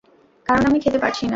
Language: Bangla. কারণ আমি খেতে পারছি না।